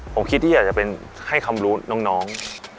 ผมคิดที่อยากจะเป็นให้คำรู้น้อง